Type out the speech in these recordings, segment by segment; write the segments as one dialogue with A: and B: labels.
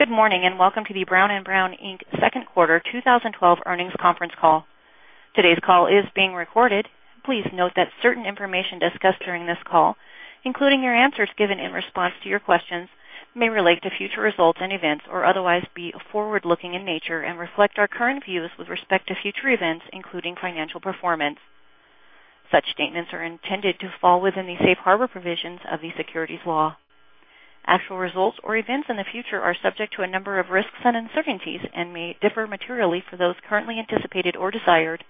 A: Good morning, and welcome to the Brown & Brown, Inc. second quarter 2012 earnings conference call. Today's call is being recorded. Please note that certain information discussed during this call, including your answers given in response to your questions, may relate to future results and events, or otherwise be forward-looking in nature and reflect our current views with respect to future events, including financial performance. Such statements are intended to fall within the safe harbor provisions of the securities law. Actual results or events in the future are subject to a number of risks and uncertainties and may differ materially from those currently anticipated or desired,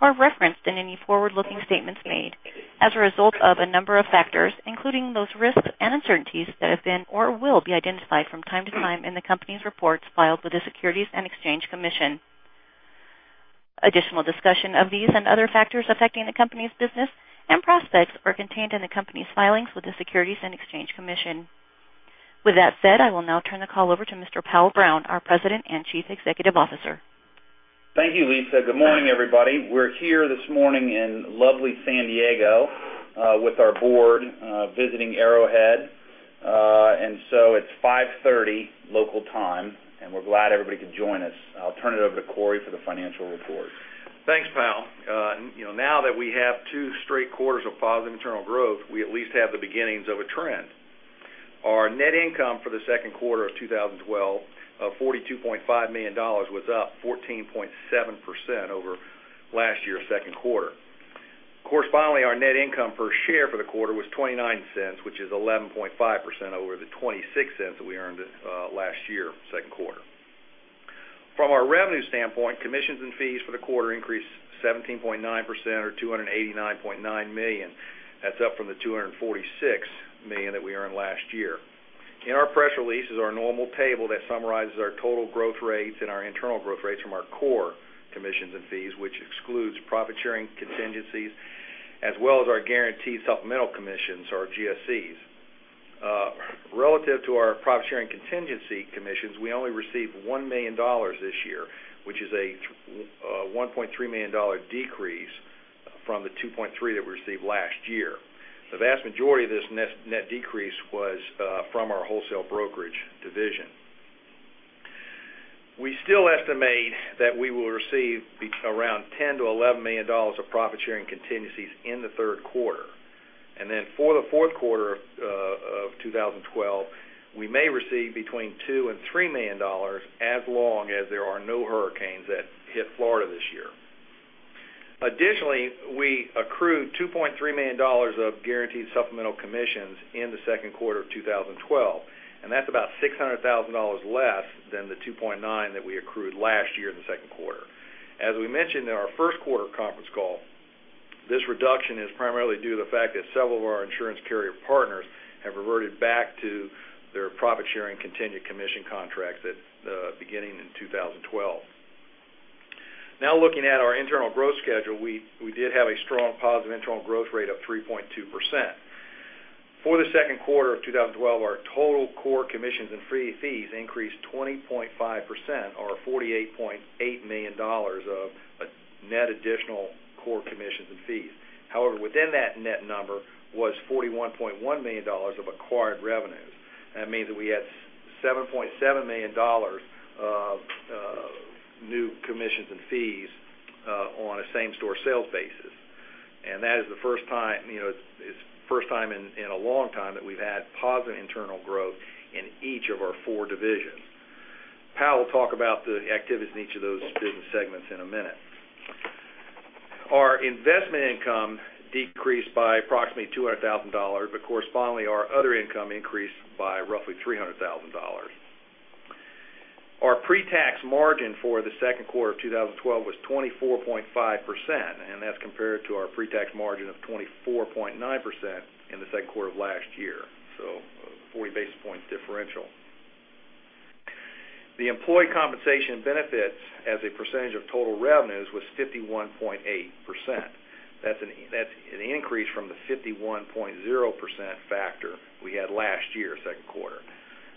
A: or referenced in any forward-looking statements made as a result of a number of factors, including those risks and uncertainties that have been or will be identified from time to time in the company's reports filed with the Securities and Exchange Commission. Additional discussion of these and other factors affecting the company's business and prospects are contained in the company's filings with the Securities and Exchange Commission. With that said, I will now turn the call over to Mr. Powell Brown, our President and Chief Executive Officer.
B: Thank you, Lisa. Good morning, everybody. We're here this morning in lovely San Diego with our board visiting Arrowhead. So it's 5:30 A.M. local time, and we're glad everybody could join us. I'll turn it over to Cory for the financial report.
C: Thanks, Powell. Now that we have two straight quarters of positive internal growth, we at least have the beginnings of a trend. Our net income for the second quarter of 2012 of $42.5 million was up 14.7% over last year's second quarter. Correspondingly, our net income per share for the quarter was $0.29, which is 11.5% over the $0.26 that we earned last year, second quarter. From a revenue standpoint, commissions and fees for the quarter increased 17.9%, or $289.9 million. That's up from the $246 million that we earned last year. In our press release is our normal table that summarizes our total growth rates and our internal growth rates from our core commissions and fees, which excludes profit sharing contingencies, as well as our guaranteed supplemental commissions or GSCs. Relative to our profit-sharing contingency commissions, we only received $1 million this year, which is a $1.3 million decrease from the $2.3 million that we received last year. The vast majority of this net decrease was from our wholesale brokerage division. We still estimate that we will receive around $10 million-$11 million of profit-sharing contingencies in the third quarter. For the fourth quarter of 2012, we may receive between $2 million and $3 million as long as there are no hurricanes that hit Florida this year. Additionally, we accrued $2.3 million of guaranteed supplemental commissions in the second quarter of 2012, and that's about $600,000 less than the $2.9 million that we accrued last year in the second quarter. As we mentioned in our first quarter conference call, this reduction is primarily due to the fact that several of our insurance carrier partners have reverted back to their profit-sharing contingent commission contracts beginning in 2012. Looking at our internal growth schedule, we did have a strong positive internal growth rate of 3.2%. For the second quarter of 2012, our total core commissions and fees increased 20.5%, or $48.8 million of net additional core commissions and fees. However, within that net number was $41.1 million of acquired revenues. That means that we had $7.7 million of new commissions and fees on a same-store sales basis. That is the first time in a long time that we've had positive internal growth in each of our four divisions. Powell will talk about the activities in each of those business segments in a minute. Our investment income decreased by approximately $200,000, but correspondingly, our other income increased by roughly $300,000. Our pre-tax margin for the second quarter of 2012 was 24.5%, compared to our pre-tax margin of 24.9% in the second quarter of last year, so 40 basis points differential. The employee compensation benefits as a percentage of total revenues was 51.8%. That's an increase from the 51.0% factor we had last year, second quarter.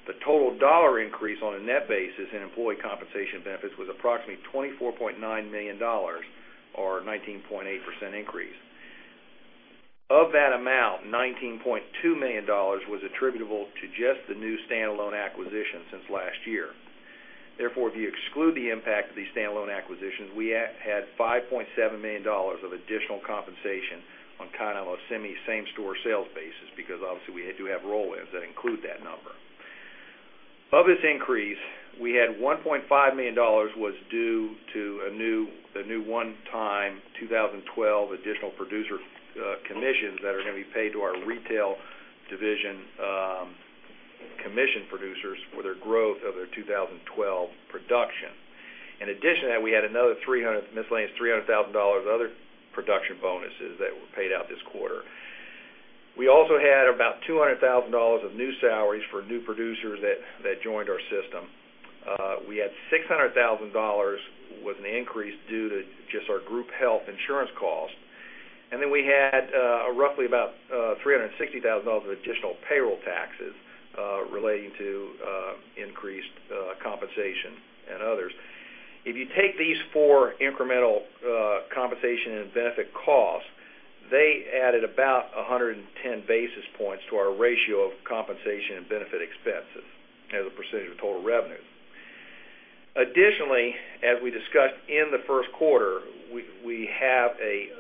C: The total dollar increase on a net basis in employee compensation benefits was approximately $24.9 million, or 19.8% increase. Of that amount, $19.2 million was attributable to just the new standalone acquisitions since last year. Therefore, if you exclude the impact of these standalone acquisitions, we had $5.7 million of additional compensation on a semi same-store sales basis because obviously we do have roll waves that include that number. Of this increase, we had $1.5 million was due to a new one-time 2012 additional producer commissions that are going to be paid to our retail division commission producers for their growth of their 2012 production. In addition to that, we had another miscellaneous $300,000 of other production bonuses that were paid out this quarter. We also had about $200,000 of new salaries for new producers that joined our system. We had $600,000 with an increase due to just our group health insurance cost. We had roughly about $360,000 of additional payroll taxes relating to increased compensation and others. If you take these four incremental compensation and benefit costs, they added about 110 basis points to our ratio of compensation and benefit expenses as a percentage of total revenue. Additionally, as we discussed in the first quarter, we have a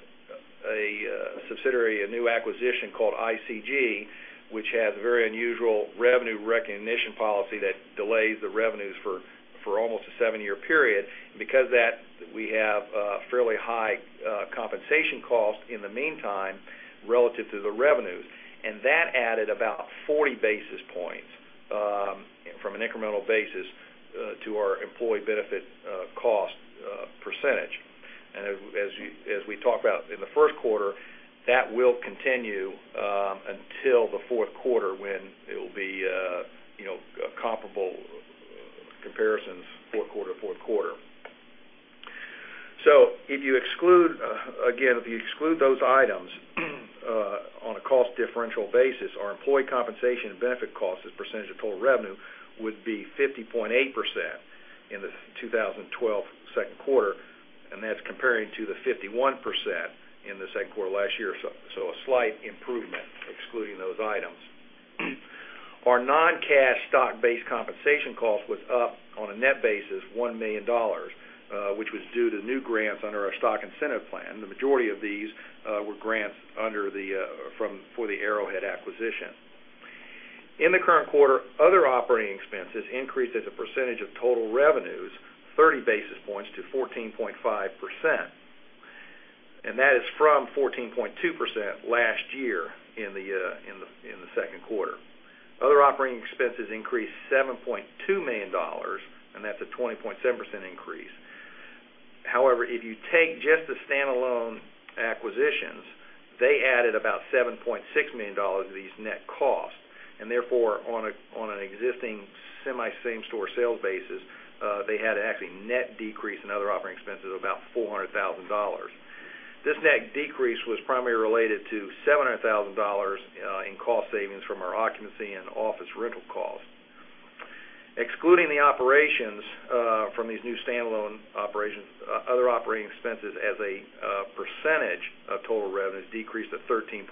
C: subsidiary, a new acquisition called ICG, which has a very unusual revenue recognition policy that delays the revenues for almost a seven-year period. Because of that, we have a fairly high compensation cost in the meantime relative to the revenues. That added about 40 basis points from an incremental basis to our employee benefit cost percentage. As we talked about in the first quarter, that will continue until the fourth quarter when it will be comparable comparisons fourth quarter, fourth quarter. Again, if you exclude those items on a cost differential basis, our employee compensation and benefit cost as a percentage of total revenue would be 50.8% in the 2012 second quarter, and that's comparing to the 51% in the second quarter last year. A slight improvement excluding those items. Our non-cash stock-based compensation cost was up on a net basis, $1 million, which was due to new grants under our stock incentive plan. The majority of these were grants for the Arrowhead acquisition. In the current quarter, other operating expenses increased as a percentage of total revenues 30 basis points to 14.5%, that is from 14.2% last year in the second quarter. Other operating expenses increased $7.2 million, that's a 20.7% increase. However, if you take just the standalone acquisitions, they added about $7.6 million to these net costs, therefore, on an existing semi same-store sales basis, they had actually net decrease in other operating expenses of about $400,000. This net decrease was primarily related to $700,000 in cost savings from our occupancy and office rental costs. Excluding the operations from these new standalone operations, other operating expenses as a percentage of total revenues decreased to 13.7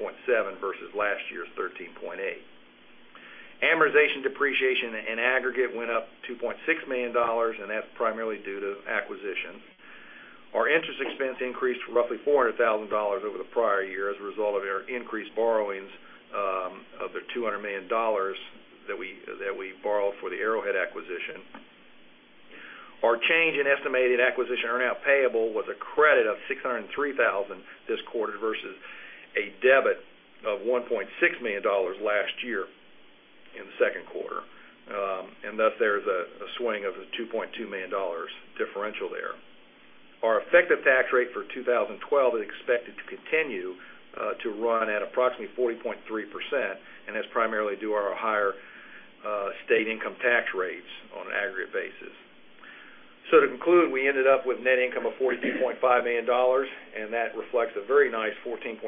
C: versus last year's 13.8. Amortization, depreciation, and aggregate went up to $2.6 million, that's primarily due to acquisition. Our interest expense increased roughly $400,000 over the prior year as a result of our increased borrowings of the $200 million that we borrowed for the Arrowhead acquisition. Our change in estimated acquisition earnout payable was a credit of $603,000 this quarter versus a debit of $1.6 million last year in the second quarter. Thus, there's a swing of $2.2 million differential there. Our effective tax rate for 2012 is expected to continue to run at approximately 40.3%, that's primarily due to our higher state income tax rates on an aggregate basis. To conclude, we ended up with net income of $42.5 million, that reflects a very nice 14.7%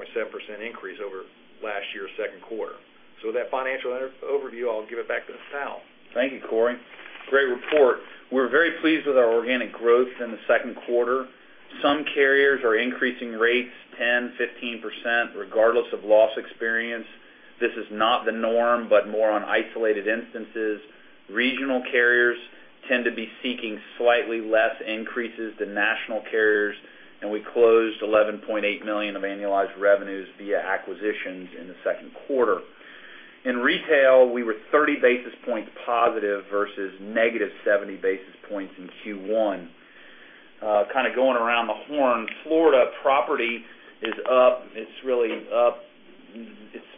C: increase over last year's second quarter. With that financial overview, I'll give it back to Powell.
B: Thank you, Cory. Great report. We're very pleased with our organic growth in the second quarter. Some carriers are increasing rates 10%-15%, regardless of loss experience. This is not the norm, but more on isolated instances. Regional carriers tend to be seeking slightly less increases than national carriers, and we closed $11.8 million of annualized revenues via acquisitions in the second quarter. In retail, we were 30 basis points positive versus -70 basis points in Q1. Kind of going around the horn, Florida property is up. It's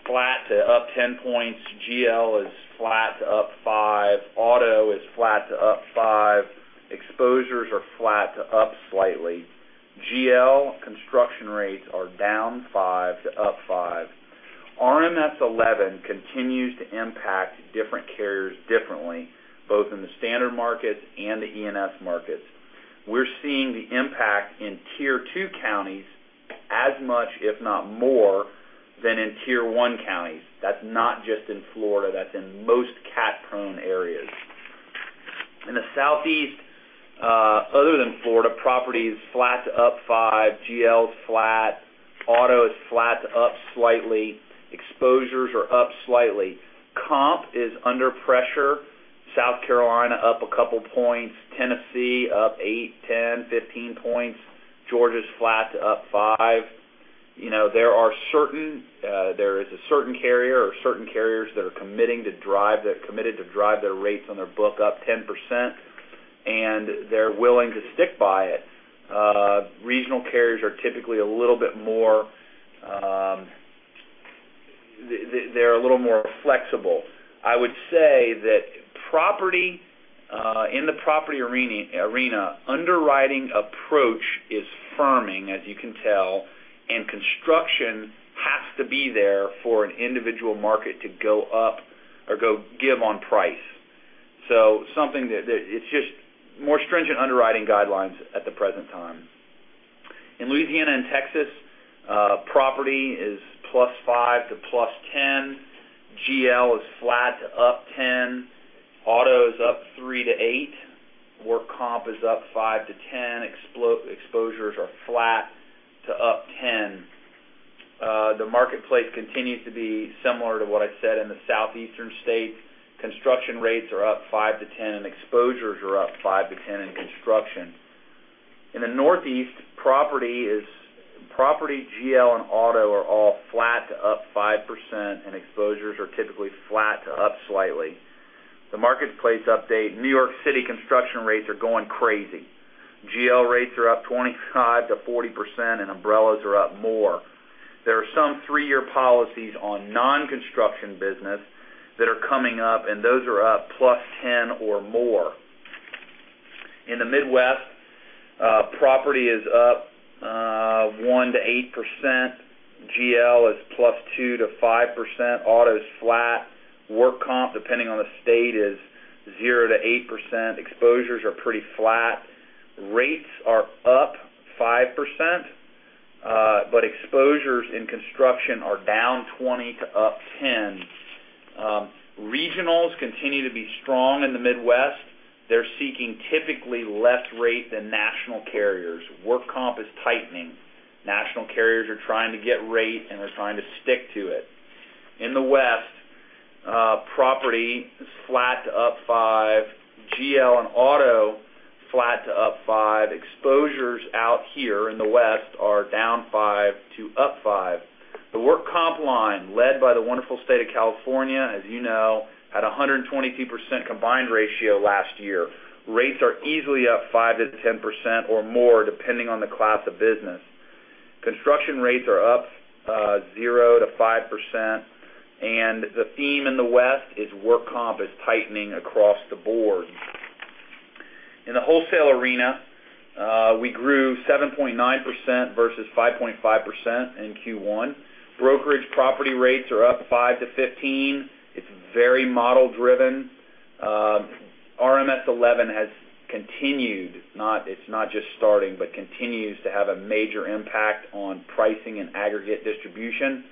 B: flat to up 10 points. GL is flat to up 5. Auto is flat to up 5. Exposures are flat to up slightly. GL construction rates are down 5 to up 5. RMS v11 continues to impact different carriers differently, both in the standard markets and the E&S markets. We're seeing the impact in Tier 2 counties as much, if not more, than in Tier 1 counties. That's not just in Florida, that's in most cat-prone areas. In the Southeast, other than Florida, property is flat to up 5. GL's flat. Auto is flat to up slightly. Exposures are up slightly. Comp is under pressure. South Carolina up a couple of points. Tennessee up 8, 10, 15 points. Georgia's flat to up 5. There is a certain carrier or certain carriers that are committed to drive their rates on their book up 10%, and they're willing to stick by it. Regional carriers are typically a little bit more flexible. I would say that in the property arena, underwriting approach is firming, as you can tell, and construction has to be there for an individual market to go up or give on price. It's just more stringent underwriting guidelines at the present time. In Louisiana and Texas, property is +5 to +10. GL is flat to up 10. Auto is up 3 to 8. Work comp is up 5 to 10. Exposures are flat to up 10. The marketplace continues to be similar to what I said in the Southeastern states. Construction rates are up 5 to 10, and exposures are up 5 to 10 in construction. In the Northeast, property, GL, and auto are all flat to up 5%, and exposures are typically flat to up slightly. The marketplace update, New York City construction rates are going crazy. GL rates are up 25%-40%, and umbrellas are up more. There are some 3-year policies on non-construction business that are coming up, and those are up +10 or more. In the Midwest, property is up 1%-8%. GL is +2%-5%. Auto's flat. Work comp, depending on the state, is 0%-8%. Exposures are pretty flat. Rates are up 5%, but exposures in construction are down 20% to +10%. Regionals continue to be strong in the Midwest. They're seeking typically less rate than national carriers. Work comp is tightening. National carriers are trying to get rate, and they're trying to stick to it. In the West, property is flat to up 5. GL and auto, flat to up 5. Exposures out here in the West are down 5 to up 5. The work comp line, led by the wonderful state of California, as you know, had 122% combined ratio last year. Rates are easily up 5%-10% or more depending on the class of business. Construction rates are up 0%-5%, and the theme in the West is work comp is tightening across the board. In the wholesale arena, we grew 7.9% versus 5.5% in Q1. Brokerage property rates are up 5%-15%. It's very model driven. RMS v11 has continued, it's not just starting, but continues to have a major impact on pricing and aggregate distribution.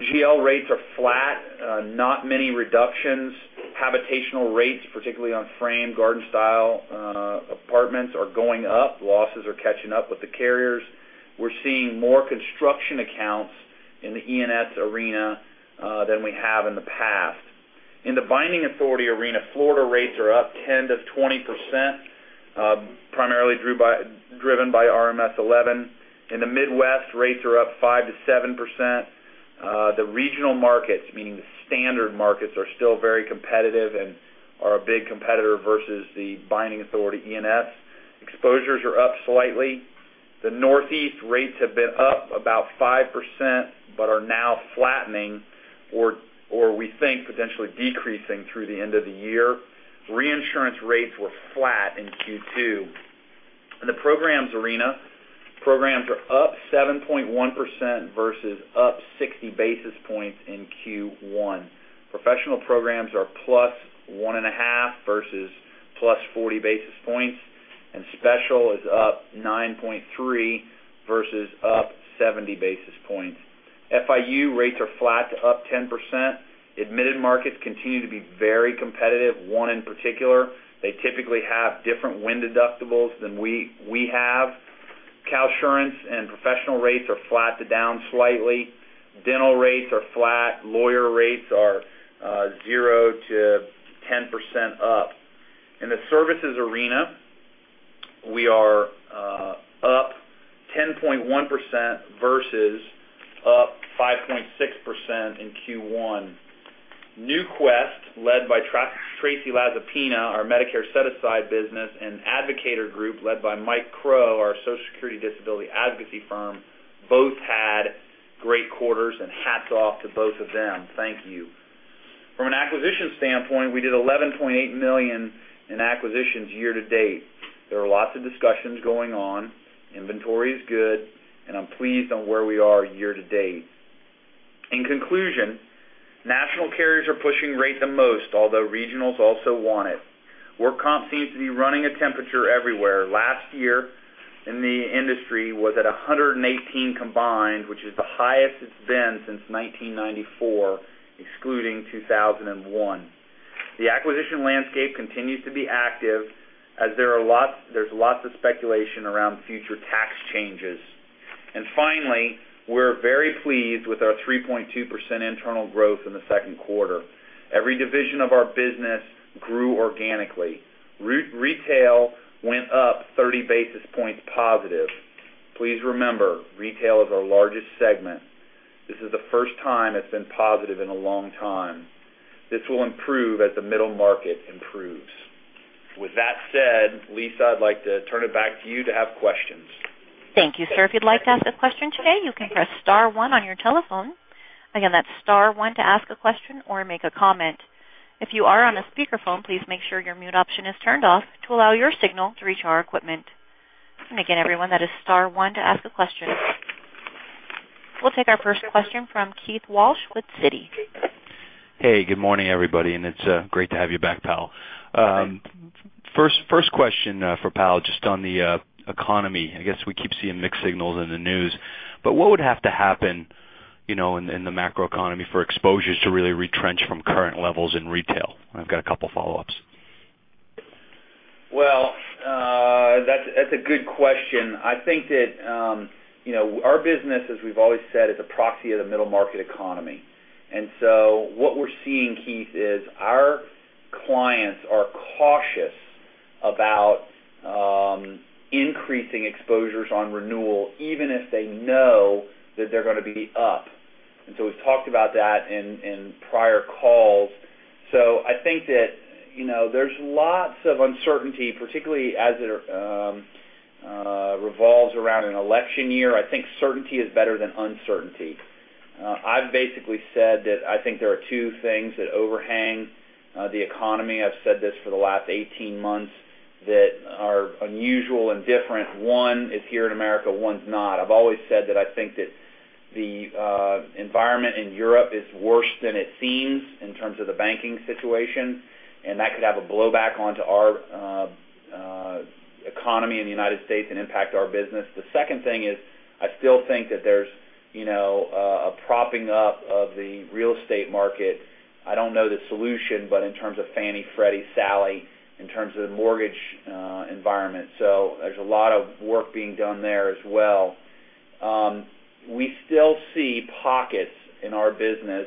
B: GL rates are flat. Not many reductions. Habitational rates, particularly on frame, garden-style apartments are going up. Losses are catching up with the carriers. We're seeing more construction accounts in the E&S arena than we have in the past. In the binding authority arena, Florida rates are up 10%-20%, primarily driven by RMS v11. In the Midwest, rates are up 5%-7%. The regional markets, meaning the standard markets, are still very competitive and are a big competitor versus the binding authority E&S. Exposures are up slightly. The Northeast rates have been up about 5% but are now flattening or we think potentially decreasing through the end of the year. Reinsurance rates were flat in Q2. In the programs arena, programs are up 7.1% versus up 60 basis points in Q1. Professional programs are +1.5% versus +40 basis points, and special is up +9.3% versus up +70 basis points. FIU rates are flat to +10%. Admitted markets continue to be very competitive, one in particular. They typically have different wind deductibles than we have. CalSurance and professional rates are flat to down slightly. Dental rates are flat. Lawyer rates are 0%-10% up. In the services arena, we are up 10.1% versus up 5.6% in Q1. NuQuest, led by Tracey Lazzopina, our Medicare Set-Aside business, and Advocator Group, led by Mike Crowe, our Social Security disability advocacy firm, both had great quarters, and hats off to both of them. Thank you. From an acquisition standpoint, we did $11.8 million in acquisitions year to date. There are lots of discussions going on. Inventory is good, and I'm pleased on where we are year to date. In conclusion, national carriers are pushing rate the most, although regionals also want it. Work comp seems to be running a temperature everywhere. Last year in the industry was at 118 combined, which is the highest it's been since 1994, excluding 2001. The acquisition landscape continues to be active as there's lots of speculation around future tax changes. Finally, we're very pleased with our 3.2% internal growth in the second quarter. Every division of our business grew organically. Retail went up 30 basis points positive. Please remember, retail is our largest segment. This is the first time it's been positive in a long time. This will improve as the middle market improves. With that said, Lisa, I'd like to turn it back to you to have questions.
A: Thank you, sir. If you'd like to ask a question today, you can press star one on your telephone. Again, that's star one to ask a question or make a comment. If you are on a speakerphone, please make sure your mute option is turned off to allow your signal to reach our equipment. Again, everyone, that is star one to ask a question. We'll take our first question from Keith Walsh with Citi.
D: Hey, good morning, everybody, it's great to have you back, Powell.
B: Great.
D: First question for Powell, just on the economy. I guess we keep seeing mixed signals in the news, what would have to happen in the macroeconomy for exposures to really retrench from current levels in retail? I've got a couple of follow-ups.
B: Well, that's a good question. I think that our business, as we've always said, is a proxy of the middle market economy. What we're seeing, Keith, is our clients are cautious about increasing exposures on renewal, even if they know that they're going to be up. We've talked about that in prior calls. I think that there's lots of uncertainty, particularly as it revolves around an election year. I think certainty is better than uncertainty. I've basically said that I think there are two things that overhang the economy, I've said this for the last 18 months, that are unusual and different. One is here in America, one's not. I've always said that I think that the environment in Europe is worse than it seems in terms of the banking situation, and that could have a blowback onto our economy in the U.S. and impact our business. The second thing is, I still think that there's a propping up of the real estate market. I don't know the solution, but in terms of Fannie, Freddie, Sallie, in terms of the mortgage environment. There's a lot of work being done there as well. We still see pockets in our business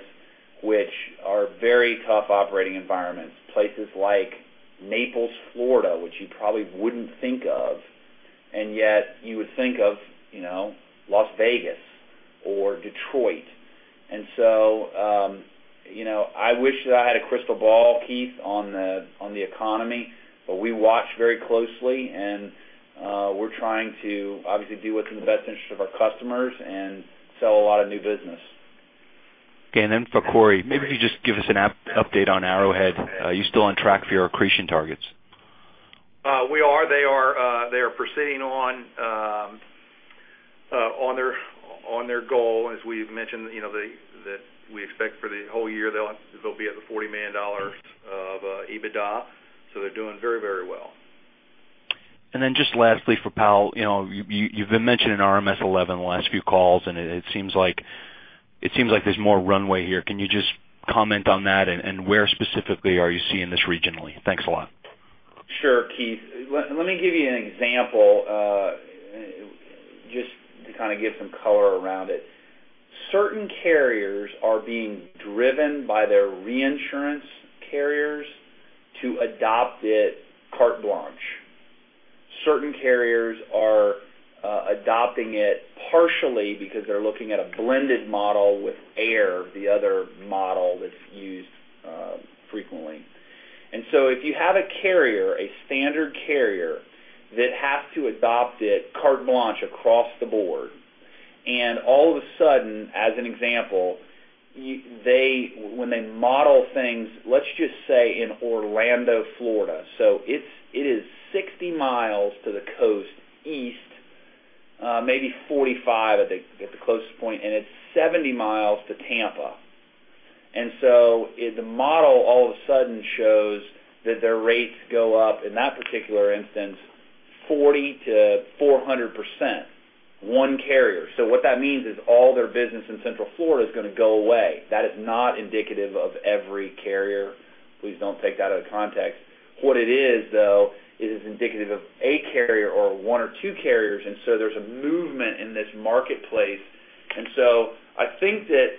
B: which are very tough operating environments, places like Naples, Florida, which you probably wouldn't think of, and yet you would think of Las Vegas or Detroit. I wish that I had a crystal ball, Keith, on the economy, but we watch very closely, and we're trying to obviously do what's in the best interest of our customers and sell a lot of new business.
D: For Cory, maybe if you just give us an update on Arrowhead. Are you still on track for your accretion targets?
C: We are. They are proceeding on their goal. As we've mentioned, that we expect for the whole year, they'll be at the $40 million of EBITDA. They're doing very well.
D: Lastly for Powell, you've been mentioning RMS v11 the last few calls, and it seems like there's more runway here. Can you just comment on that, and where specifically are you seeing this regionally? Thanks a lot.
B: Sure, Keith. Let me give you an example, just to kind of give some color around it. Certain carriers are being driven by their reinsurance carriers to adopt it carte blanche. Certain carriers are adopting it partially because they're looking at a blended model with AIR, the other model that's used frequently. If you have a carrier, a standard carrier, that has to adopt it carte blanche across the board, all of a sudden, as an example, when they model things, let's just say in Orlando, Florida. It is 60 miles to the coast east, maybe 45 at the closest point, and it's 70 miles to Tampa. The model all of a sudden shows that their rates go up, in that particular instance, 40%-400%, one carrier. What that means is all their business in Central Florida is going to go away. That is not indicative of every carrier. Please don't take that out of context. What it is, though, it is indicative of a carrier or one or two carriers, there's a movement in this marketplace. I think that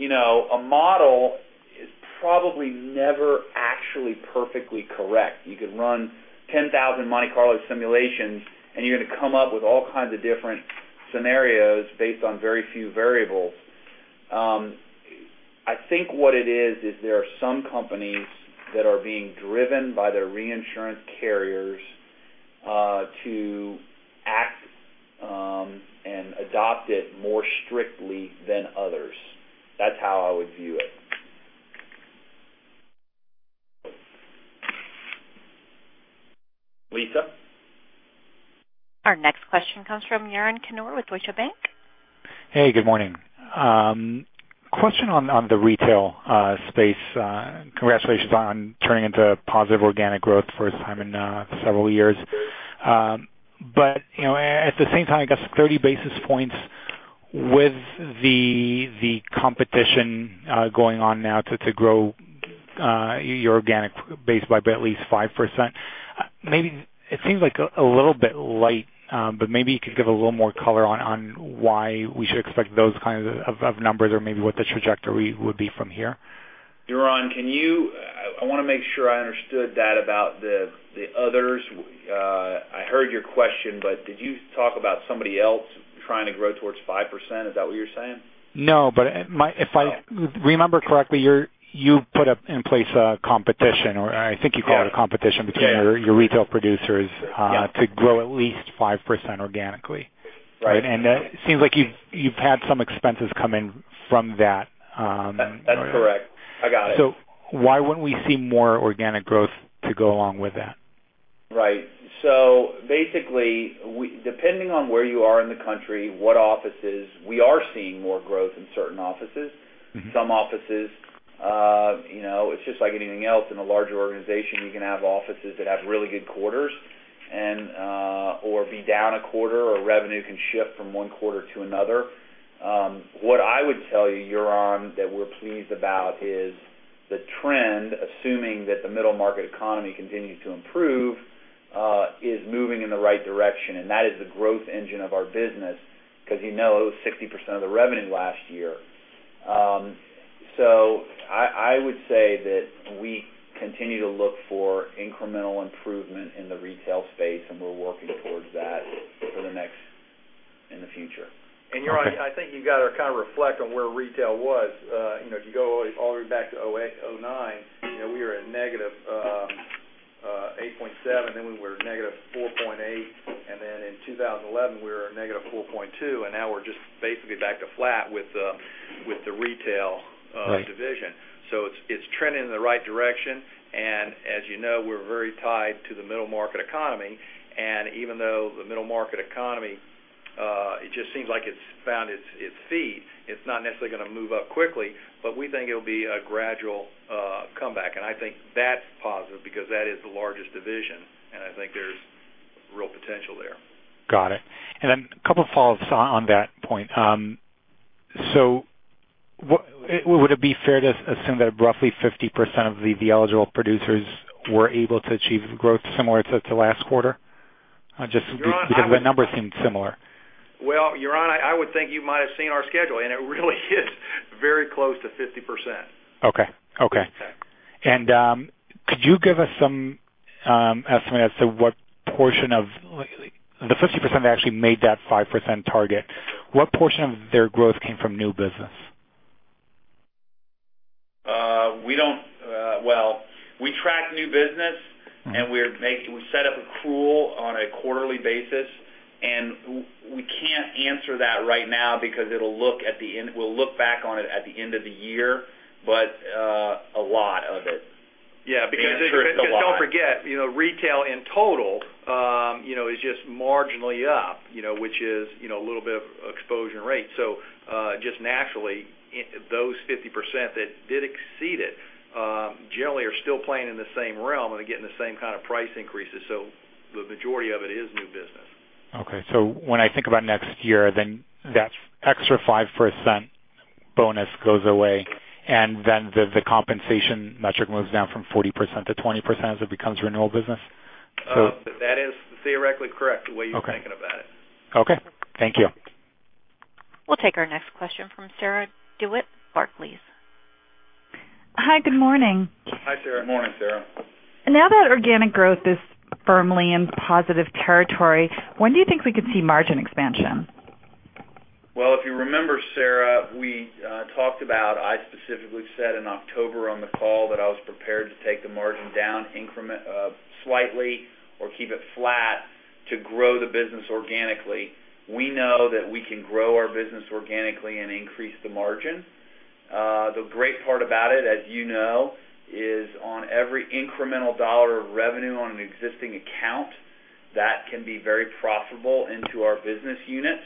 B: a model is probably never actually perfectly correct. You could run 10,000 Monte Carlo simulations, and you're going to come up with all kinds of different scenarios based on very few variables. I think what it is there are some companies that are being driven by their reinsurance carriers to act and adopt it more strictly than others. That's how I would view it. Lisa?
A: Our next question comes from Yaron Kinar with Deutsche Bank.
E: Hey, good morning. Question on the retail space. Congratulations on turning into positive organic growth first time in several years. At the same time, I guess 30 basis points with the competition going on now to grow your organic base by at least 5%. It seems a little bit light, maybe you could give a little more color on why we should expect those kinds of numbers or maybe what the trajectory would be from here.
B: Yaron, I want to make sure I understood that about the others. I heard your question, did you talk about somebody else trying to grow towards 5%? Is that what you're saying?
E: No, if I remember correctly, you put in place a competition, or I think you call it a competition between your retail producers to grow at least 5% organically.
B: Right.
E: It seems like you've had some expenses come in from that.
B: That's correct. I got it.
E: Why wouldn't we see more organic growth to go along with that?
B: Right. Basically, depending on where you are in the country, what offices, we are seeing more growth in certain offices. Some offices, it's just like anything else in a larger organization, you can have offices that have really good quarters or be down a quarter, or revenue can shift from one quarter to another. What I would tell you, Yaron, that we're pleased about is the trend, assuming that the middle market economy continues to improve, is moving in the right direction. That is the growth engine of our business, because you know it was 60% of the revenue last year. I would say that we continue to look for incremental improvement in the retail space, and we're working towards that for the next, in the future.
C: Yaron, I think you've got to kind of reflect on where retail was. If you go all the way back to 2009, we were at -8.7%, then we were -4.8%, and then in 2011, we were at -4.2%, and now we're just basically back to flat with the retail
B: Right
C: division. It's trending in the right direction. As you know, we're very tied to the middle market economy. Even though the middle market economy, it just seems like it's found its feet. It's not necessarily going to move up quickly, but we think it'll be a gradual comeback. I think that's positive because that is the largest division, and I think there's real potential there.
E: Got it. Then a couple follows on that point. Would it be fair to assume that roughly 50% of the eligible producers were able to achieve growth similar to last quarter? Just because
C: Yaron. The number seems similar. Well, Yaron, I would think you might have seen our schedule, and it really is very close to 50%.
B: Okay.
C: Yeah.
E: Could you give us some estimate as to what portion of the 50% that actually made that 5% target, what portion of their growth came from new business? Well, we track new business.
B: We set up a pool on a quarterly basis. We can't answer that right now because we'll look back on it at the end of the year. A lot of it.
C: Yeah. I'm sure it's a lot Don't forget, retail in total is just marginally up, which is a little bit of exposure and rate. Just naturally, those 50% that did exceed it generally are still playing in the same realm and are getting the same kind of price increases. The majority of it is new business.
E: Okay. When I think about next year, that extra 5% bonus goes away, the compensation metric moves down from 40% to 20% as it becomes renewal business?
C: That is theoretically correct. Okay The way you're thinking about it.
B: Okay. Thank you.
A: We'll take our next question from Sarah DeWitt, Barclays.
F: Hi, good morning.
B: Hi, Sarah.
C: Good morning, Sarah.
F: Now that organic growth is firmly in positive territory, when do you think we could see margin expansion?
B: If you remember, Sarah, we talked about, I specifically said in October on the call that I was prepared to take the margin down slightly or keep it flat to grow the business organically. We know that we can grow our business organically and increase the margin. The great part about it, as you know, is on every incremental dollar of revenue on an existing account, that can be very profitable into our business units.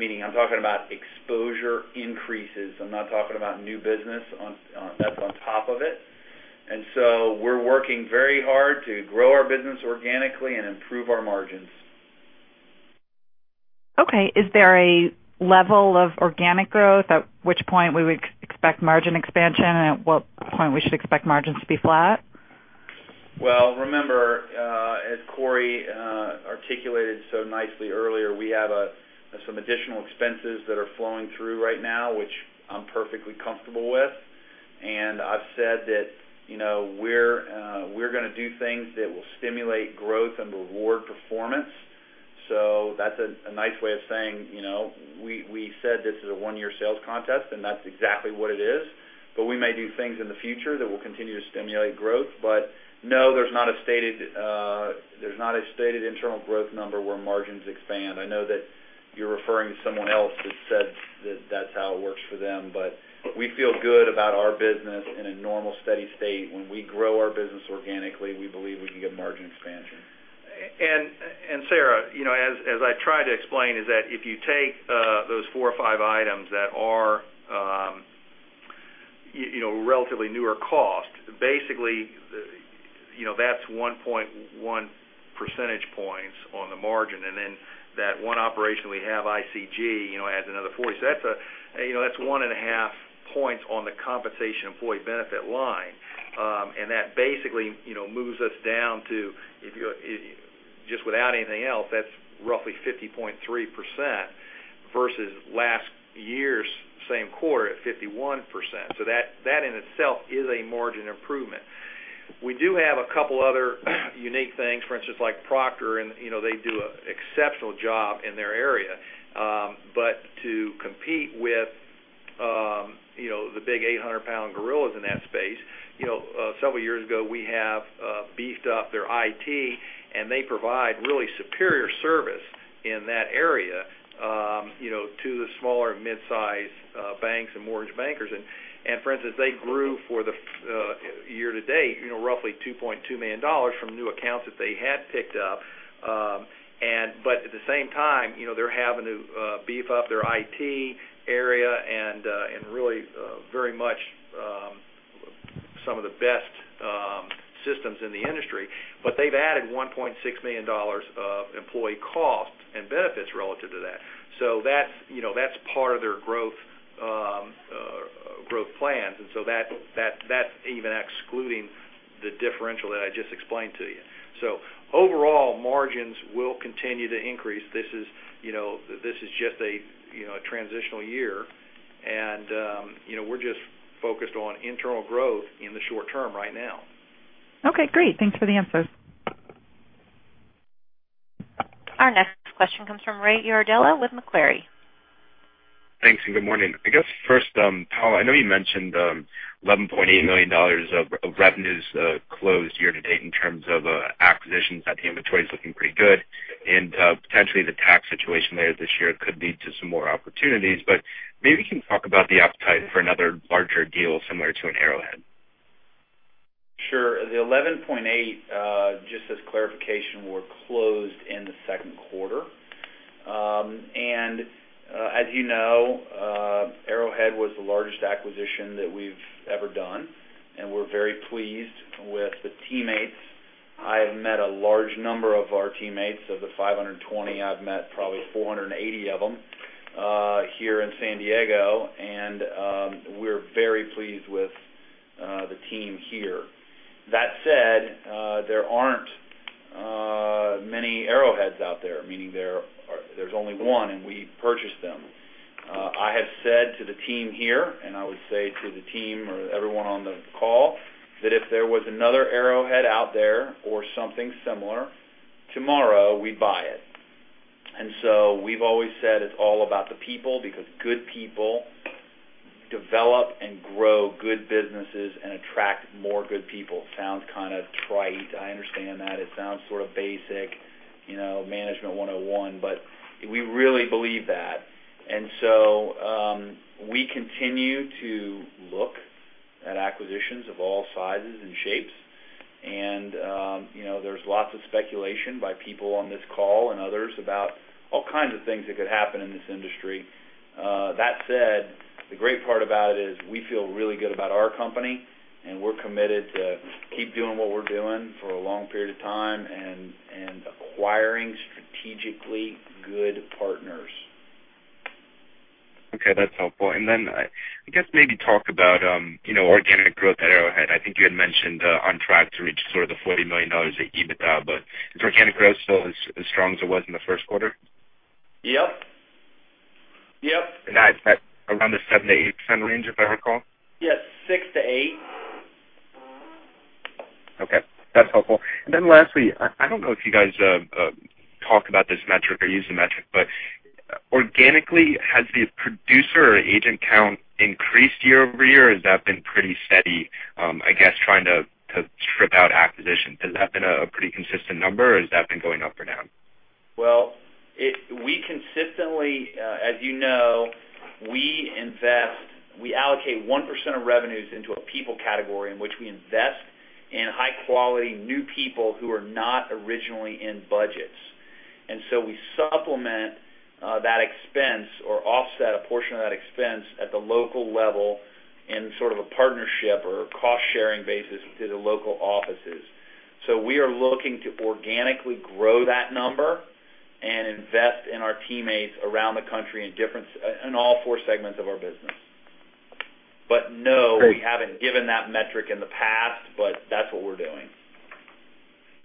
B: Meaning I'm talking about exposure increases. I'm not talking about new business that's on top of it. So we're working very hard to grow our business organically and improve our margins.
F: Is there a level of organic growth at which point we would expect margin expansion, and at what point we should expect margins to be flat?
B: Remember, as Cory articulated so nicely earlier, we have some additional expenses that are flowing through right now, which I'm perfectly comfortable with. I've said that we're going to do things that will stimulate growth and reward performance. That's a nice way of saying, we said this is a one-year sales contest, and that's exactly what it is. We may do things in the future that will continue to stimulate growth. No, there's not a stated internal growth number where margins expand. I know that you're referring to someone else that said that that's how it works for them. We feel good about our business in a normal, steady state. When we grow our business organically, we believe we can get margin expansion.
C: Sarah, as I tried to explain, is that if you take those four or five items that are relatively newer cost, basically, that's 1.1 percentage points on the margin. That one operation we have, ICG, adds another 40. That's one and a half points on the compensation employee benefit line. That basically moves us down to, just without anything else, that's roughly 50.3% versus last year's same quarter at 51%. That in itself is a margin improvement. We do have a couple other unique things. For instance, like Proctor, and they do an exceptional job in their area. To compete with the big 800-pound gorillas in that space, several years ago, we have beefed up their IT, and they provide really superior service in that area to the smaller midsize banks and mortgage bankers. For instance, they grew for the year-to-date, roughly $2.2 million from new accounts that they had picked up. At the same time, they are having to beef up their IT area and really very much some of the best systems in the industry. They have added $1.6 million of employee cost and benefits relative to that. That is part of their growth plans, and that is even excluding the differential that I just explained to you. Overall, margins will continue to increase. This is just a transitional year, and we are just focused on internal growth in the short term right now.
F: Okay, great. Thanks for the answers.
A: Our next question comes from Ray McClary with Macquarie.
G: Thanks. Good morning. I guess first, Powell, I know you mentioned $11.8 million of revenues closed year-to-date in terms of acquisitions, that the inventory is looking pretty good. Potentially the tax situation there this year could lead to some more opportunities, but maybe you can talk about the appetite for another larger deal similar to an Arrowhead.
B: Sure. The 11.8, just as clarification, were closed in the second quarter. As you know, Arrowhead was the largest acquisition that we've ever done, and we're very pleased with the teammates. I have met a large number of our teammates. Of the 520, I've met probably 480 of them here in San Diego, and we're very pleased with the team here. That said, there aren't many Arrowheads out there, meaning there's only one, and we purchased them. I have said to the team here, and I would say to the team or everyone on the call, that if there was another Arrowhead out there or something similar, tomorrow, we'd buy it. We've always said it's all about the people, because good people develop and grow good businesses and attract more good people. Sounds kind of trite. I understand that.
C: It sounds sort of basic, management 101, but we really believe that. We continue to look at acquisitions of all sizes and shapes. There's lots of speculation by people on this call and others about all kinds of things that could happen in this industry. That said, the great part about it is we feel really good about our company, and we're committed to keep doing what we're doing for a long period of time and acquiring strategically good partners.
G: Okay. That's helpful. I guess maybe talk about organic growth at Arrowhead. I think you had mentioned on track to reach sort of the $40 million of EBITDA, but is organic growth still as strong as it was in the first quarter?
B: Yep.
G: That's at around the 7%-8% range, if I recall?
B: Yes, 6%-8%.
G: Lastly, I don't know if you guys talk about this metric or use the metric, organically, has the producer or agent count increased year-over-year, or has that been pretty steady? Trying to strip out acquisition. Has that been a pretty consistent number, or has that been going up or down?
B: We consistently, as you know, we invest, we allocate 1% of revenues into a people category in which we invest in high quality new people who are not originally in budgets. We supplement that expense or offset a portion of that expense at the local level in sort of a partnership or a cost-sharing basis to the local offices. We are looking to organically grow that number and invest in our teammates around the country in all 4 segments of our business. No, we haven't given that metric in the past, but that's what we're doing.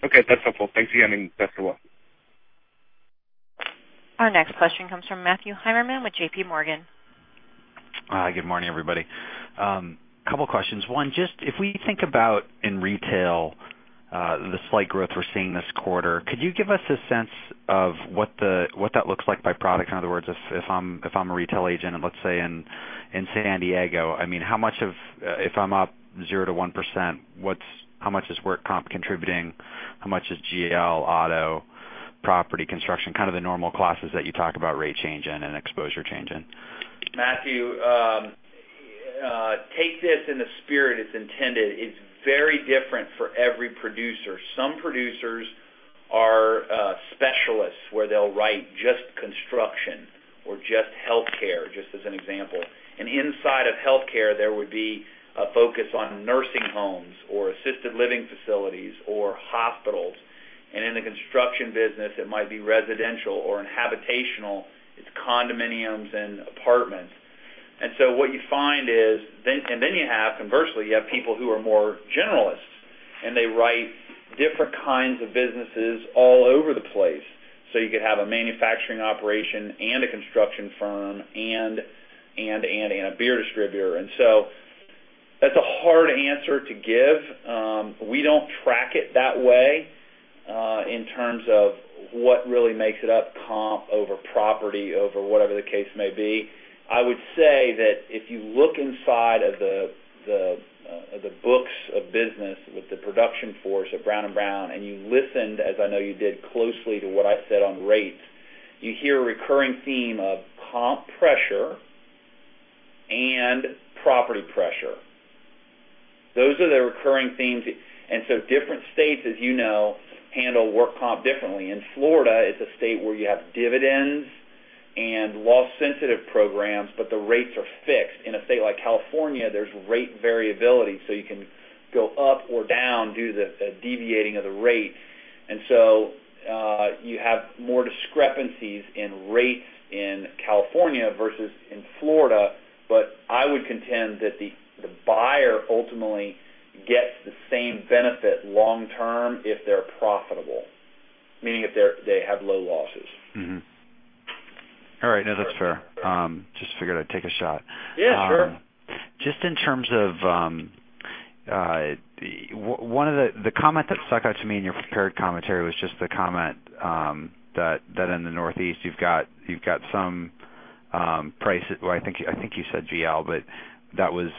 G: Okay, that's helpful. Thanks again, and best of luck.
A: Our next question comes from Matthew Heimermann with JP Morgan.
H: Good morning, everybody. Couple of questions. One, just if we think about in retail, the slight growth we're seeing this quarter, could you give us a sense of what that looks like by product? In other words, if I'm a retail agent, let's say in San Diego, if I'm up 0% to 1%, how much is work comp contributing? How much is GL auto, property, construction? Kind of the normal classes that you talk about rate change in and exposure change in.
B: Matthew, take this in the spirit it's intended. It's very different for every producer. Some producers are specialists where they'll write just construction or just healthcare, just as an example. Inside of healthcare, there would be a focus on nursing homes or assisted living facilities or hospitals. In the construction business, it might be residential or in habitational, it's condominiums and apartments. Then you have, conversely, you have people who are more generalists, and they write different kinds of businesses all over the place. You could have a manufacturing operation and a construction firm and a beer distributor. That's a hard answer to give. We don't track it that way, in terms of what really makes it up comp over property over whatever the case may be. I would say that if you look inside of the books of business with the production force at Brown & Brown, you listened, as I know you did, closely to what I said on rates You hear a recurring theme of comp pressure and property pressure. Those are the recurring themes. Different states, as you know, handle work comp differently. In Florida, it's a state where you have dividends and loss-sensitive programs, the rates are fixed. In a state like California, there's rate variability, so you can go up or down due to the deviating of the rate. You have more discrepancies in rates in California versus in Florida. I would contend that the buyer ultimately gets the same benefit long-term if they're profitable, meaning if they have low losses.
H: All right. No, that's fair. Just figured I'd take a shot.
B: Yeah, sure.
H: Just in terms of the comment that stuck out to me in your prepared commentary was just the comment that in the Northeast, you've got some price, well, I think you said GL, but that was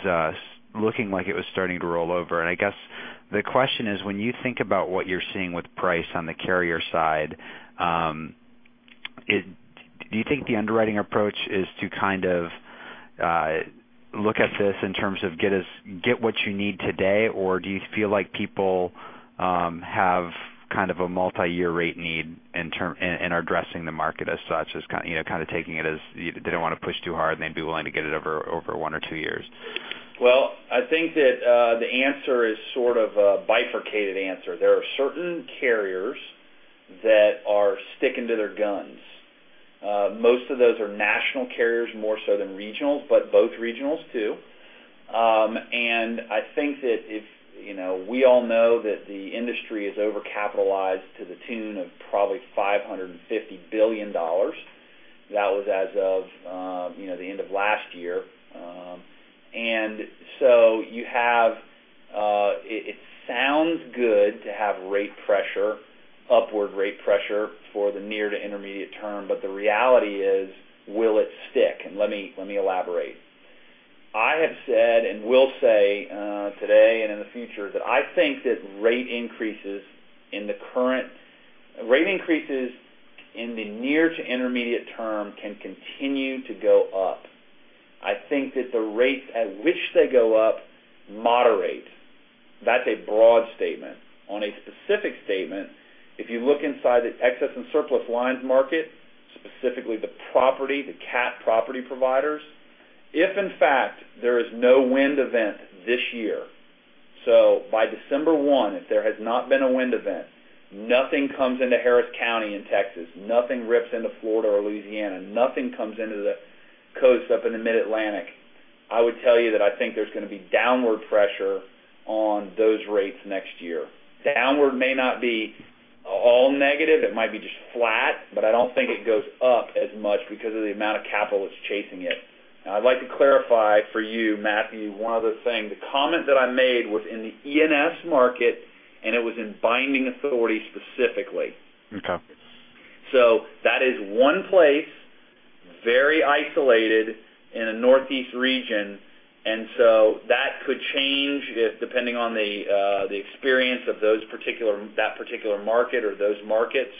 H: looking like it was starting to roll over. I guess the question is, when you think about what you're seeing with price on the carrier side, do you think the underwriting approach is to kind of look at this in terms of get what you need today? Or do you feel like people have kind of a multi-year rate need and are addressing the market as such as kind of taking it as they don't want to push too hard, and they'd be willing to get it over one or two years?
B: Well, I think that the answer is sort of a bifurcated answer. There are certain carriers that are sticking to their guns. Most of those are national carriers, more so than regionals, but both regionals too. I think that if we all know that the industry is over-capitalized to the tune of probably $550 billion. That was as of the end of last year. It sounds good to have rate pressure, upward rate pressure for the near to intermediate term. The reality is, will it stick? Let me elaborate. I have said, and will say today and in the future, that I think that rate increases in the near to intermediate term can continue to go up. I think that the rates at which they go up moderate. That's a broad statement. On a specific statement, if you look inside the excess and surplus lines market, specifically the property, the cat property providers, if, in fact, there is no wind event this year. By December 1, if there has not been a wind event, nothing comes into Harris County in Texas, nothing rips into Florida or Louisiana, nothing comes into the coast up in the Mid-Atlantic, I would tell you that I think there's going to be downward pressure on those rates next year. Downward may not be all negative, it might be just flat, but I don't think it goes up as much because of the amount of capital that's chasing it. I'd like to clarify for you, Matthew, one other thing. The comment that I made was in the E&S market, and it was in binding authority specifically.
H: Okay.
B: That is one place, very isolated in a Northeast region. That could change depending on the experience of that particular market or those markets.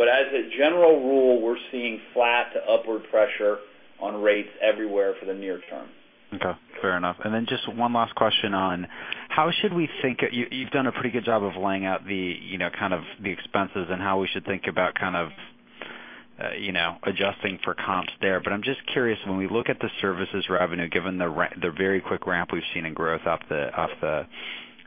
B: As a general rule, we're seeing flat to upward pressure on rates everywhere for the near term.
H: Okay, fair enough. Just one last question. You've done a pretty good job of laying out the kind of the expenses and how we should think about kind of adjusting for comps there. I'm just curious, when we look at the services revenue, given the very quick ramp we've seen in growth off the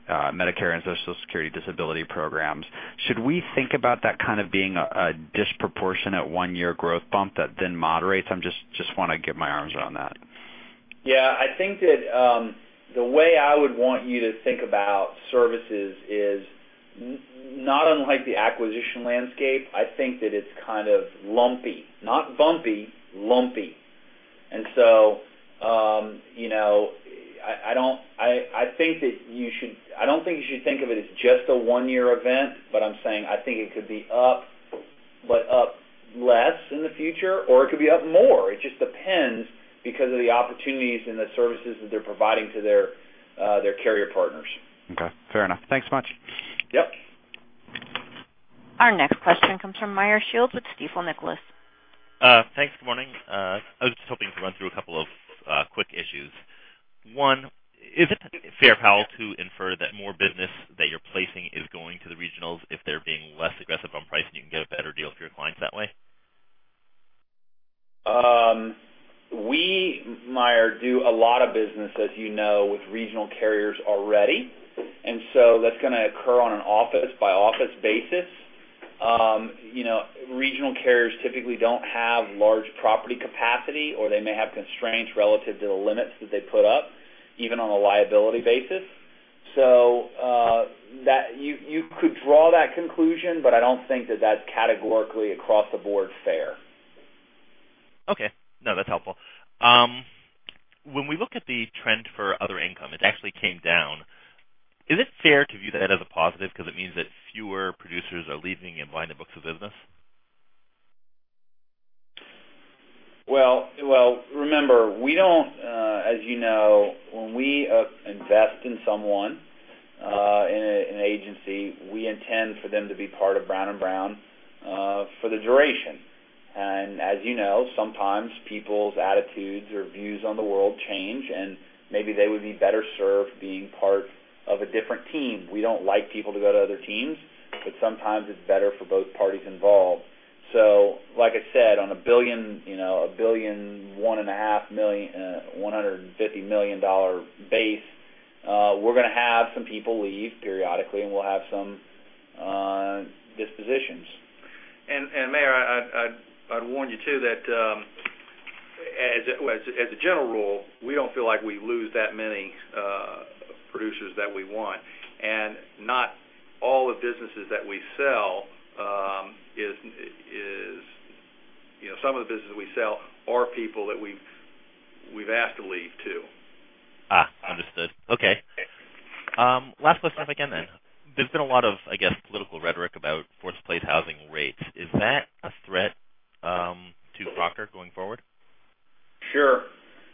H: Medicare and Social Security disability programs, should we think about that kind of being a disproportionate one-year growth bump that then moderates? I just want to get my arms around that.
B: Yeah, I think that the way I would want you to think about services is not unlike the acquisition landscape. I think that it's kind of lumpy, not bumpy, lumpy. So I don't think you should think of it as just a one-year event, but I'm saying I think it could be up, but up less in the future, or it could be up more. It just depends because of the opportunities and the services that they're providing to their carrier partners.
H: Okay, fair enough. Thanks much.
B: Yep.
A: Our next question comes from Meyer Shields with Stifel Nicolaus.
I: Thanks. Good morning. I was just hoping to run through a couple of quick issues. One, is it fair, Powell, to infer that more business that you're placing is going to the regionals if they're being less aggressive on pricing, you can get a better deal for your clients that way?
B: We, Meyer, do a lot of business, as you know, with regional carriers already. That's going to occur on an office-by-office basis. Regional carriers typically don't have large property capacity, or they may have constraints relative to the limits that they put up, even on a liability basis. You could draw that conclusion, I don't think that's categorically across the board fair.
I: Okay. No, that's helpful. When we look at the trend for other income, it actually came down. Is it fair to view that as a positive because it means that fewer producers are leaving and buying the books of business?
B: Well, remember, as you know, when we invest in someone, in an agency, we intend for them to be part of Brown & Brown for the duration. As you know, sometimes people's attitudes or views on the world change, and maybe they would be better served being part of a different team. We don't like people to go to other teams, but sometimes it's better for both parties involved. Like I said, on a $1 billion, $1.5 million, $150 million base, we're going to have some people leave periodically, and we'll have some dispositions.
C: Meyer, I'd warn you too that, as a general rule, we don't feel like we lose that many producers that we want. Not all the businesses that we sell, some of the businesses we sell are people that we've asked to leave, too.
I: Understood. Okay. Last question again. There's been a lot of, I guess, political rhetoric about force-placed housing rates. Is that a threat to Proctor going forward?
B: Sure.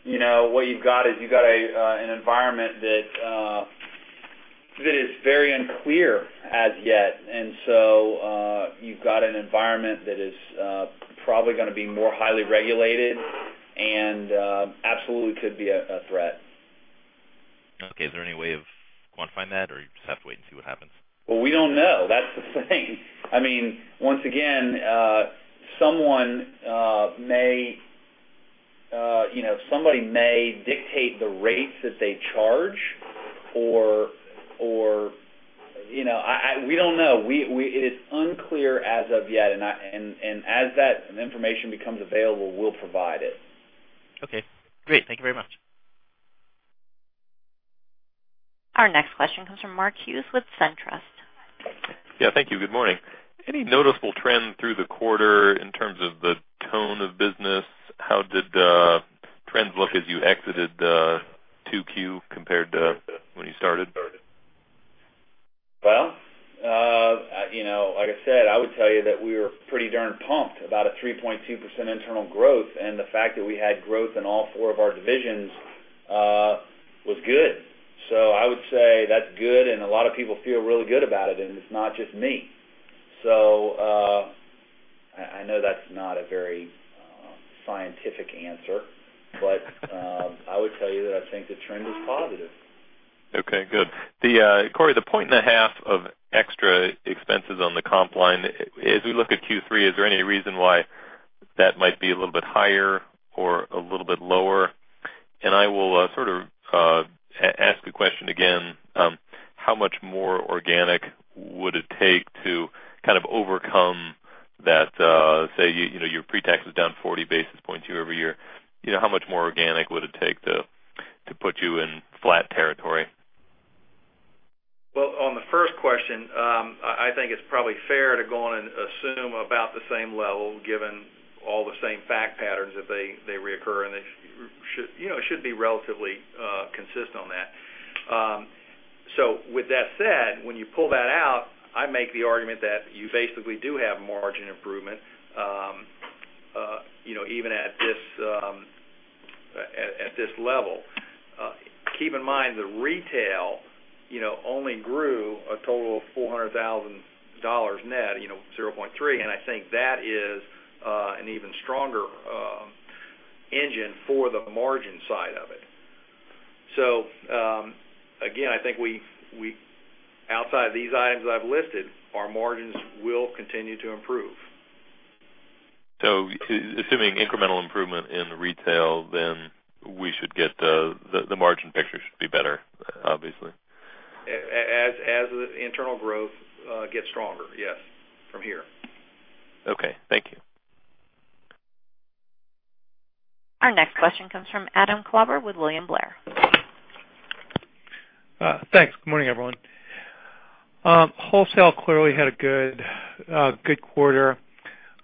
B: What you've got is you've got an environment that is very unclear as yet. You've got an environment that is probably going to be more highly regulated and absolutely could be a threat.
I: Okay. Is there any way of quantifying that, or you just have to wait and see what happens?
B: Well, we don't know. That's the thing. Once again, somebody may dictate the rates that they charge. We don't know. It is unclear as of yet, and as that information becomes available, we'll provide it.
I: Okay, great. Thank you very much.
A: Our next question comes from Mark Hughes with SunTrust.
J: Yeah, thank you. Good morning. Any noticeable trend through the quarter in terms of the tone of business? How did trends look as you exited 2Q compared to when you started?
B: Well, like I said, I would tell you that we were pretty darn pumped about a 3.2% internal growth, and the fact that we had growth in all four of our divisions was good. I would say that's good, and a lot of people feel really good about it, and it's not just me. I know that's not a very scientific answer, but I would tell you that I think the trend is positive.
J: Okay, good. Cory, the point and a half of extra expenses on the comp line, as we look at Q3, is there any reason why that might be a little bit higher or a little bit lower? I will sort of ask the question again, how much more organic would it take to kind of overcome that, say, your pre-tax is down 40 basis points year-over-year. How much more organic would it take to put you in flat territory?
C: On the first question, I think it's probably fair to go on and assume about the same level given all the same fact patterns if they reoccur, and it should be relatively consistent on that. With that said, when you pull that out, I make the argument that you basically do have margin improvement even at this level. Keep in mind that retail only grew a total of $400,000 net, 0.3%, and I think that is an even stronger engine for the margin side of it. Again, I think outside these items I've listed, our margins will continue to improve.
J: Assuming incremental improvement in retail, then the margin picture should be better, obviously.
C: As the internal growth gets stronger, yes, from here.
J: Okay, thank you.
A: Our next question comes from Adam Klauber with William Blair.
K: Thanks. Good morning, everyone. Wholesale clearly had a good quarter.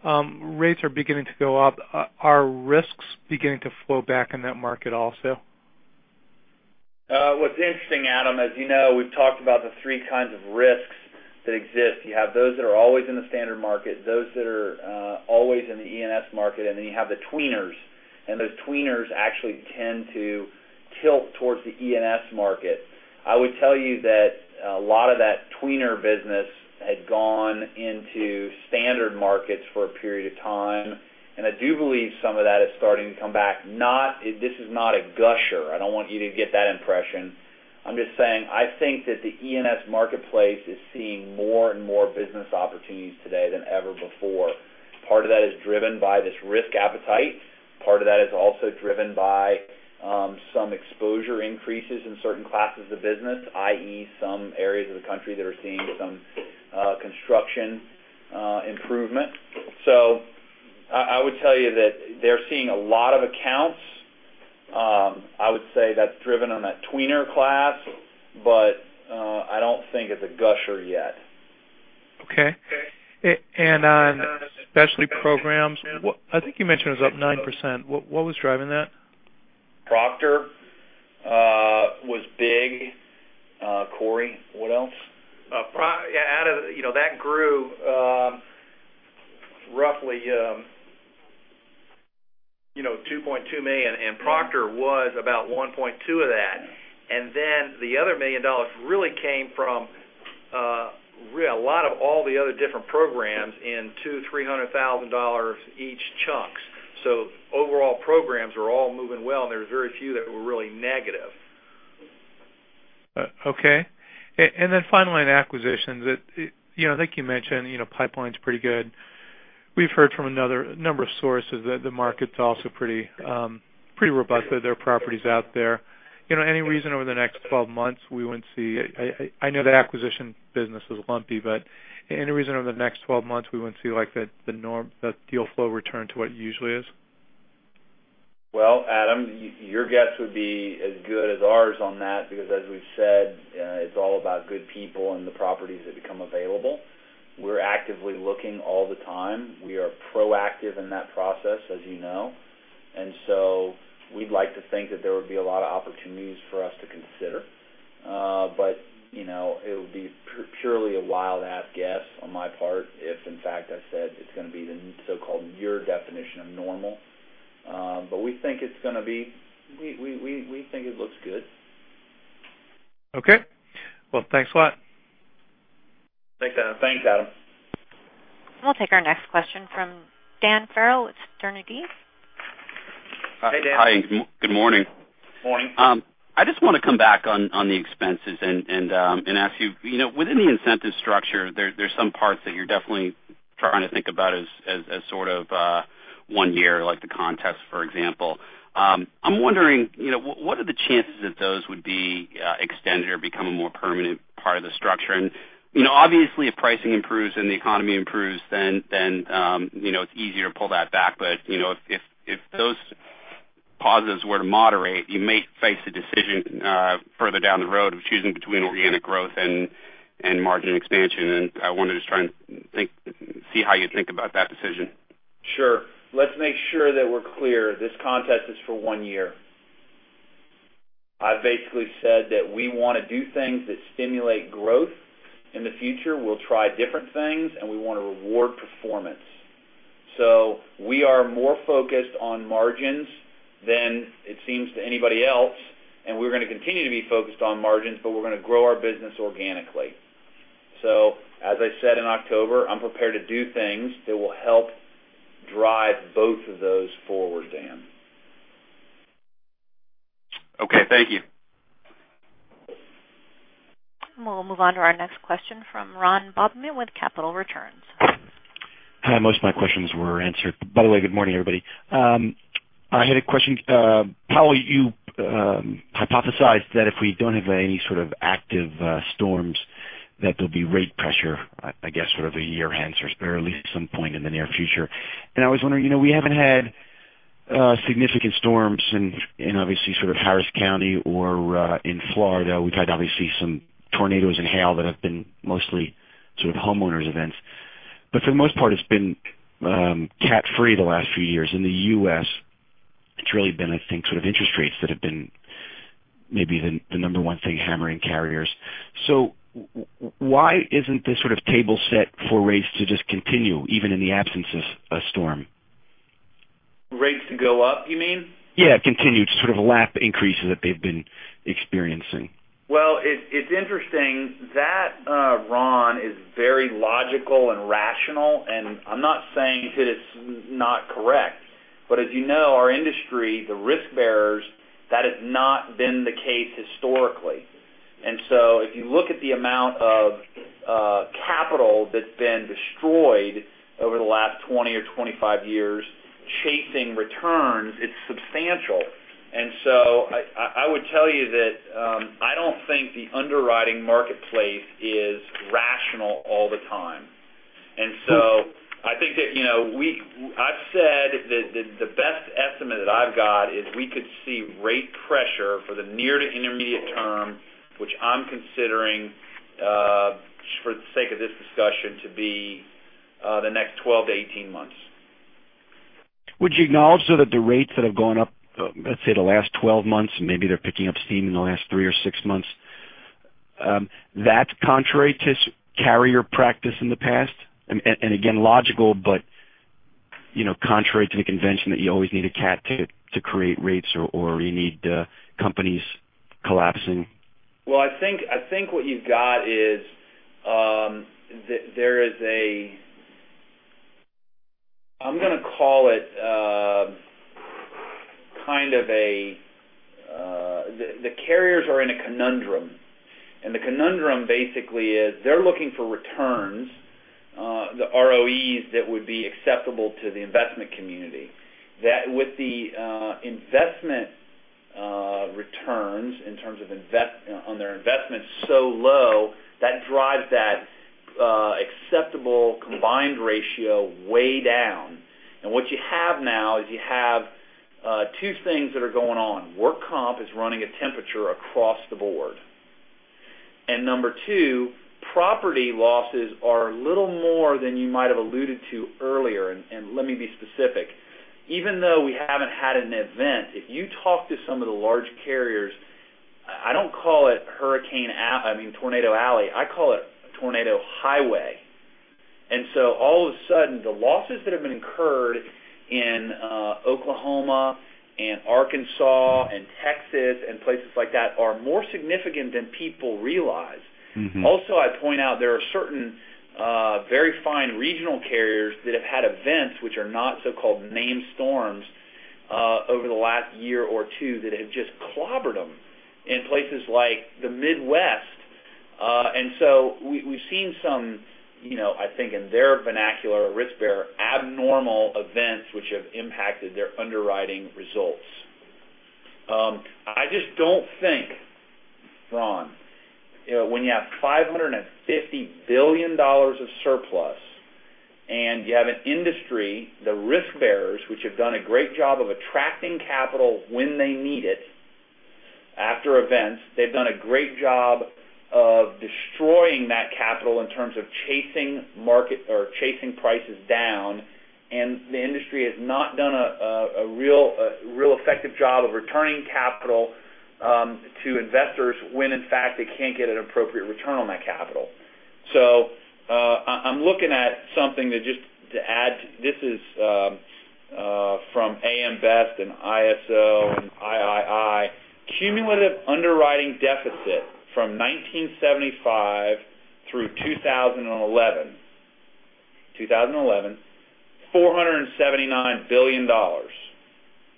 K: Rates are beginning to go up. Are risks beginning to flow back in that market also?
B: What's interesting, Adam, as you know, we've talked about the three kinds of risks that exist. You have those that are always in the standard market, those that are always in the E&S market, and then you have the tweeners, and those tweeners actually tend to tilt towards the E&S market. I would tell you that a lot of that tweener business had gone into standard markets for a period of time, and I do believe some of that is starting to come back. This is not a gusher. I don't want you to get that impression. I'm just saying, I think that the E&S marketplace is seeing more and more business opportunities today than ever before. Part of that is driven by this risk appetite. Part of that is also driven by some exposure increases in certain classes of business, i.e., some areas of the country that are seeing some construction improvement. I would tell you that they're seeing a lot of accounts. I would say that's driven on that tweener class, but I don't think it's a gusher yet.
K: Okay. On specialty programs, I think you mentioned it was up 9%. What was driving that?
B: Proctor was big
K: Cory, what else?
C: That grew roughly $2.2 million, and Proctor was about $1.2 million of that. The other $1 million really came from a lot of all the other different programs in two, $300,000 each chunks. Overall, programs were all moving well, and there was very few that were really negative.
K: Okay. Finally, in acquisitions, I think you mentioned pipeline's pretty good. We've heard from another number of sources that the market's also pretty robust, that there are properties out there. Any reason over the next 12 months we wouldn't see I know the acquisition business is lumpy, but any reason over the next 12 months we wouldn't see the deal flow return to what it usually is?
B: Well, Adam, your guess would be as good as ours on that, because as we've said, it's all about good people and the properties that become available. We're actively looking all the time. We are proactive in that process, as you know. We'd like to think that there would be a lot of opportunities for us to consider. It would be purely a wild-ass guess on my part if, in fact, I said it's going to be the so-called year definition of normal. We think it looks good.
K: Okay. Well, thanks a lot.
B: Thanks, Adam.
A: We'll take our next question from Dan Farrell with Sterne Agee.
B: Hey, Dan.
L: Hi, good morning.
B: Morning.
L: I just want to come back on the expenses and ask you, within the incentive structure, there's some parts that you're definitely trying to think about as sort of one year, like the contest, for example. I'm wondering, what are the chances that those would be extended or become a more permanent part of the structure? Obviously, if pricing improves and the economy improves, then it's easier to pull that back. If those positives were to moderate, you may face a decision further down the road of choosing between organic growth and margin expansion. I wanted to try and see how you think about that decision.
B: Sure. Let's make sure that we're clear. This contest is for one year. I've basically said that we want to do things that stimulate growth in the future. We'll try different things, and we want to reward performance. We are more focused on margins than it seems to anybody else, and we're going to continue to be focused on margins, but we're going to grow our business organically. As I said in October, I'm prepared to do things that will help drive both of those forward, Dan.
L: Okay, thank you.
A: We'll move on to our next question from Ron Bobman with Capital Returns.
M: Hi, most of my questions were answered. By the way, good morning, everybody. I had a question. Powell, you hypothesized that if we don't have any sort of active storms, that there'll be rate pressure, I guess, sort of a year hence, or at least some point in the near future. I was wondering, we haven't had significant storms in, obviously, sort of Harris County or in Florida. We've had, obviously, some tornadoes and hail that have been mostly sort of homeowners events. But for the most part, it's been cat-free the last few years. In the U.S., it's really been, I think, sort of interest rates that have been maybe the number one thing hammering carriers. Why isn't this sort of table set for rates to just continue, even in the absence of a storm?
B: Rates to go up, you mean?
M: Yeah, continued sort of lap increases that they've been experiencing.
B: Well, it's interesting. That, Ron, is very logical and rational, and I'm not saying that it's not correct. But as you know, our industry, the risk bearers, that has not been the case historically. If you look at the amount of capital that's been destroyed over the last 20 or 25 years chasing returns, it's substantial. I would tell you that I don't think the underwriting marketplace is rational all the time. I think that I've said that the best estimate that I've got is we could see rate pressure for the near to intermediate term, which I'm considering, for the sake of this discussion, to be the next 12 to 18 months.
M: Would you acknowledge, though, that the rates that have gone up, let's say the last 12 months, and maybe they're picking up steam in the last three or six months, that's contrary to carrier practice in the past? Again, logical, but contrary to the convention that you always need a cat to create rates or you need companies collapsing.
B: Well, I think what you've got is there is a, I'm going to call it kind of the carriers are in a conundrum, the conundrum basically is they're looking for returns, the ROEs that would be acceptable to the investment community. That with the investment returns in terms of on their investments so low, that drives that acceptable combined ratio way down. What you have now is you have two things that are going on. Work comp is running a temperature across the board. Number 2, property losses are a little more than you might have alluded to earlier. Let me be specific. Even though we haven't had an event, if you talk to some of the large carriers, I don't call it Tornado Alley, I call it Tornado Highway. All of a sudden, the losses that have been incurred in Oklahoma and Arkansas and Texas and places like that are more significant than people realize. Also, I'd point out there are certain very fine regional carriers that have had events which are not so-called named storms, over the last year or two that have just clobbered them in places like the Midwest. We've seen some, I think in their vernacular risk bearer, abnormal events which have impacted their underwriting results. I just don't think, Ron, when you have $550 billion of surplus and you have an industry, the risk bearers, which have done a great job of attracting capital when they need it after events, they've done a great job of destroying that capital in terms of chasing market or chasing prices down, the industry has not done a real effective job of returning capital to investors when, in fact, they can't get an appropriate return on that capital. I'm looking at something to add. This is from AM Best and ISO and III. Cumulative underwriting deficit from 1975 through 2011, $479 billion.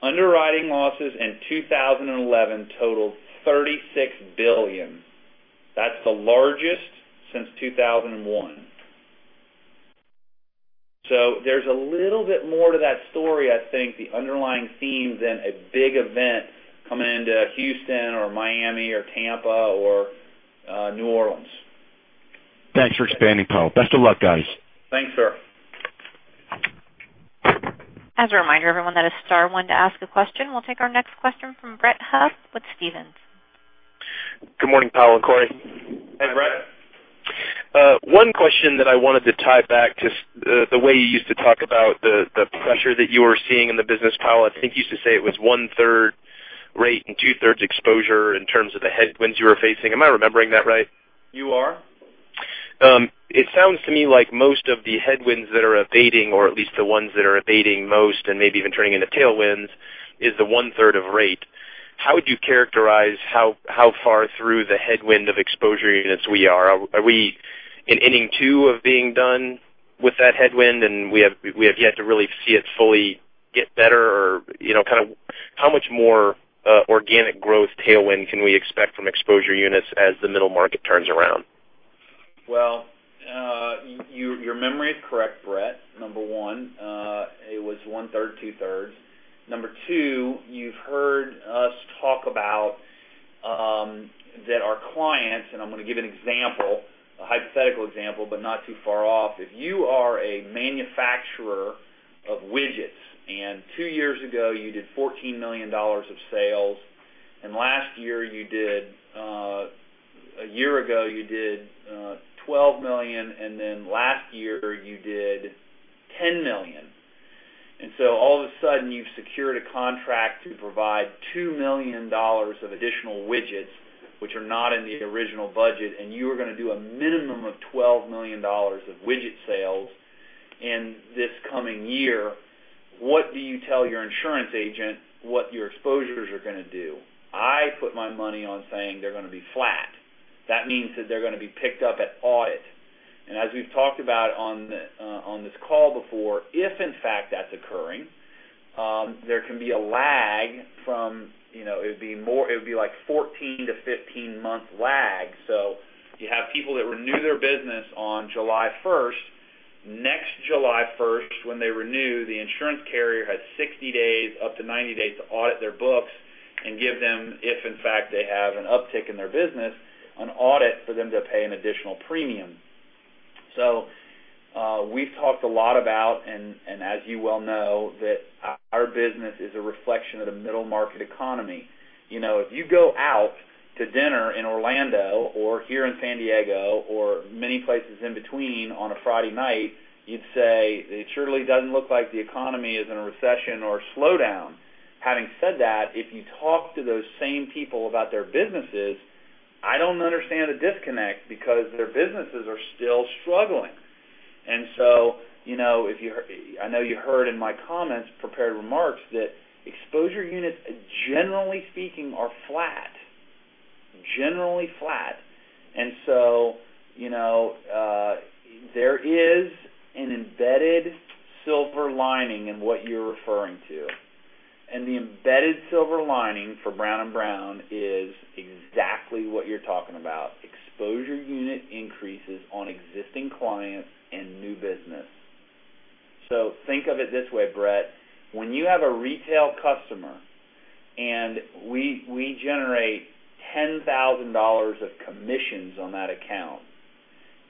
B: Underwriting losses in 2011 totaled $36 billion. That's the largest since 2001. There's a little bit more to that story, I think, the underlying theme than a big event coming into Houston or Miami or Tampa or New Orleans.
M: Thanks for expanding, Powell. Best of luck, guys.
B: Thanks, sir.
A: As a reminder, everyone, that is star one to ask a question. We'll take our next question from Brett Huff with Stephens.
N: Good morning, Powell and Cory.
B: Hey, Brett.
N: One question that I wanted to tie back to the way you used to talk about the pressure that you were seeing in the business, Powell, I think you used to say it was one-third rate and two-thirds exposure in terms of the headwinds you were facing. Am I remembering that right?
B: You are.
N: It sounds to me like most of the headwinds that are abating, or at least the ones that are abating most and maybe even turning into tailwinds, is the one-third of rate. How would you characterize how far through the headwind of exposure units we are? Are we in inning 2 of being done with that headwind, and we have yet to really see it fully get better? How much more organic growth tailwind can we expect from exposure units as the middle market turns around?
B: Well, your memory is correct, Brett, number 1. It was one-third, two-thirds. Number 2, you've heard us talk about that our clients, and I'm going to give an example, a hypothetical example, but not too far off. If you are a manufacturer of widgets, 2 years ago, you did $14 million of sales, a year ago, you did $12 million, then last year you did $10 million. All of a sudden you've secured a contract to provide $2 million of additional widgets, which are not in the original budget, and you are going to do a minimum of $12 million of widget sales in this coming year, what do you tell your insurance agent what your exposures are going to do? I put my money on saying they're going to be flat. That means that they're going to be picked up at audit. As we've talked about on this call before, if in fact that's occurring, there can be a lag from, it would be like 14-15 month lag. You have people that renew their business on July 1st. Next July 1st, when they renew, the insurance carrier has 60 days up to 90 days to audit their books and give them, if in fact they have an uptick in their business, an audit for them to pay an additional premium. We've talked a lot about, as you well know, that our business is a reflection of the middle market economy. If you go out to dinner in Orlando or here in San Diego or many places in between on a Friday night, you'd say, "It surely doesn't look like the economy is in a recession or slowdown." Having said that, if you talk to those same people about their businesses, I don't understand the disconnect because their businesses are still struggling. I know you heard in my comments, prepared remarks, that exposure units, generally speaking, are flat. Generally flat. There is an embedded silver lining in what you're referring to. The embedded silver lining for Brown & Brown is exactly what you're talking about, exposure unit increases on existing clients and new business. Think of it this way, Brett. When you have a retail customer, and we generate $10,000 of commissions on that account,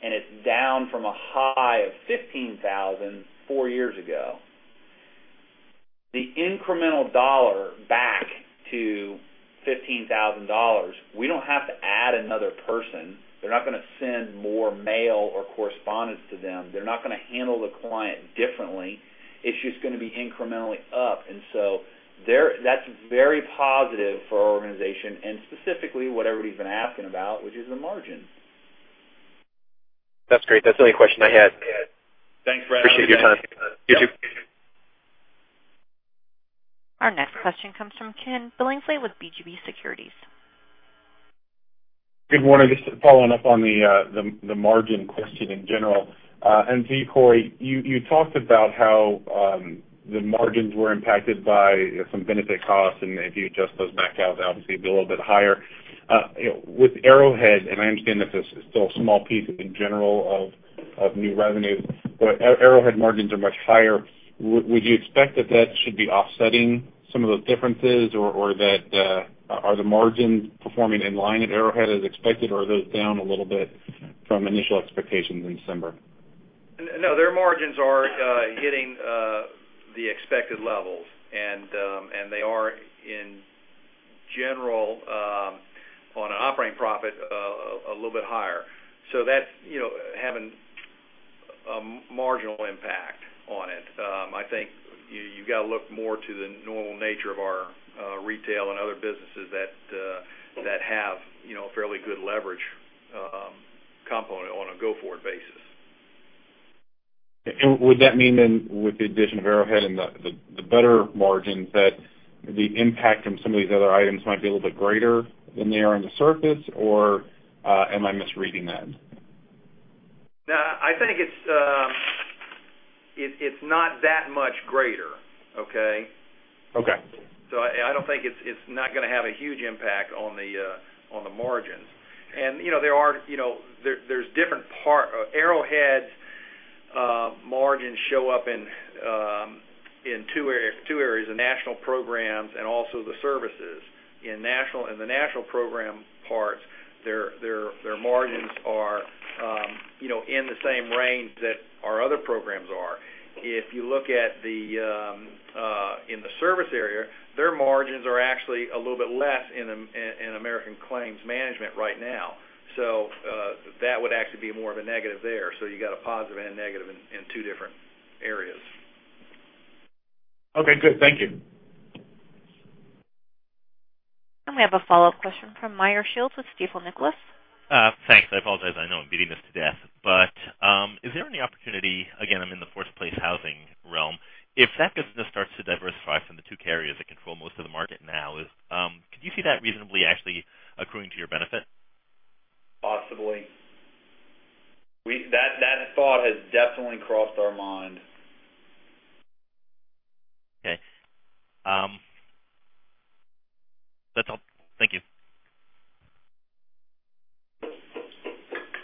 B: and it's down from a high of $15,000 four years ago, the incremental dollar back to $15,000, we don't have to add another person. They're not going to send more mail or correspondence to them. They're not going to handle the client differently. It's just going to be incrementally up. That's very positive for our organization and specifically what everybody's been asking about, which is the margin.
N: That's great. That's the only question I had.
B: Thanks for asking.
N: Appreciate your time.
B: Yep.
A: Our next question comes from Ken Billingsley with BGC Securities.
O: Good morning. Just following up on the margin question in general. Cory, you talked about how the margins were impacted by some benefit costs, and if you adjust those back out, they'll obviously be a little bit higher. With Arrowhead, and I understand that this is still a small piece in general of new revenue, but Arrowhead margins are much higher. Would you expect that that should be offsetting some of those differences? Or are the margins performing in line at Arrowhead as expected, or are those down a little bit from initial expectations in December?
C: No, their margins are hitting the expected levels, and they are, in general, on an operating profit, a little bit higher. That's having a marginal impact on it. I think you've got to look more to the normal nature of our retail and other businesses that have a fairly good leverage component on a go-forward basis.
O: Would that mean then, with the addition of Arrowhead and the better margins, that the impact from some of these other items might be a little bit greater than they are on the surface, or am I misreading that?
C: No, I think it's not that much greater. Okay? Okay. I don't think it's not going to have a huge impact on the margins. There's different parts. Arrowhead's margins show up in two areas, the national programs and also the services. In the national program parts, their margins are in the same range that our other programs are. If you look in the service area, their margins are actually a little bit less in American Claims Management right now. That would actually be more of a negative there. You got a positive and a negative in two different areas.
O: Okay, good. Thank you.
A: We have a follow-up question from Meyer Shields with Stifel Nicolaus.
I: Thanks. I apologize, I know I'm beating this to death. Is there any opportunity, again, I'm in the force-placed housing realm. If that business starts to diversify from the two carriers that control most of the market now, could you see that reasonably actually accruing to your benefit?
B: Possibly. That thought has definitely crossed our mind.
I: Okay. That's all. Thank you.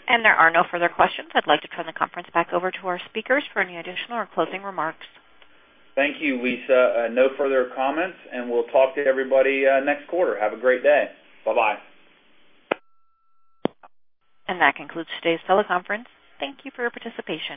A: There are no further questions. I'd like to turn the conference back over to our speakers for any additional or closing remarks.
B: Thank you, Lisa. No further comments, and we'll talk to everybody next quarter. Have a great day. Bye-bye.
A: That concludes today's teleconference. Thank you for your participation.